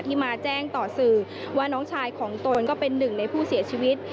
มาแจ้งต่อสื่อว่าน้องชายของตนก็เป็นหนึ่งในผู้เสียชีวิต